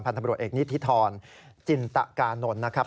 ตำรวจเอกนิธิธรจินตะกานนท์นะครับ